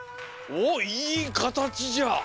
おっいいかたちじゃ。